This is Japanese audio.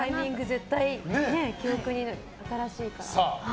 絶対記憶に新しいから。